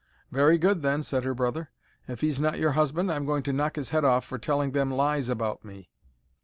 "Very good, then," said her brother. "If he's not your husband I'm going to knock his head off for telling them lies about me."